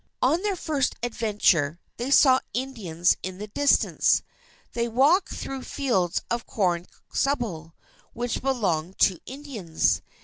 On their first adventure, they saw Indians in the distance. They walked through fields of corn stubble which belonged to Indians.